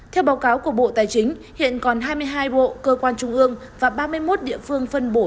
theo báo cáo của bộ tài chính hiện còn hai mươi hai bộ cơ quan trung ương và ba mươi một địa phương phân bổ